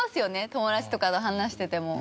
友達とかと話してても。